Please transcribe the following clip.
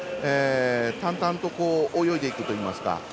淡々と泳いでいくといいますか。